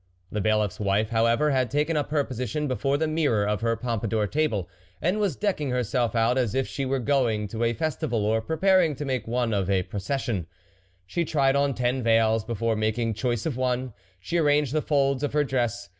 The Bailiffs wife, however, had taken up her position before the mirror of her Pompadour table, and was decking herself out as if she were going to a festival or preparing to make one of a pro cession. She tried on ten veils before making choice of one. See arranged the folds of her dress.